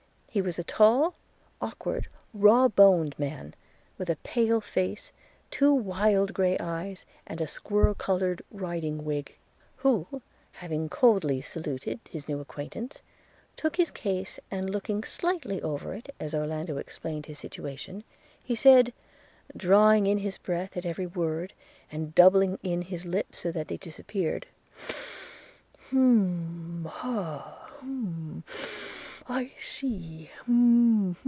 He was a tall, awkward, raw boned man, with a pale face, two small wild grey eyes, and a squirrel coloured riding wig; who, having coldly saluted his new acquaintance, took his case, and, looking slightly over it as Orlando explained his situation, he said (drawing in his breath at every word, and doubling in his lips so that they disappeared) – 'Hum, hah; hum – I see